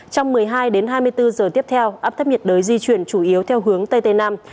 trong một mươi hai đến hai mươi bốn giờ tiếp theo áp thấp nhiệt đới di chuyển chủ yếu theo hướng tây tây nam